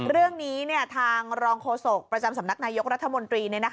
เรื่องนี้ทางรองโฆษกประจำสำนักนายกรัฐมนตรี